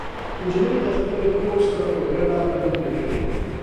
نجلۍ د خپلې خور سره په ګډه لوبې کولې.